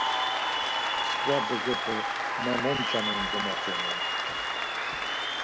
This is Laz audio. Mskva bozope ma momçanoren domatzonen.